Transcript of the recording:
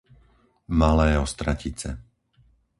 Malé Ostratice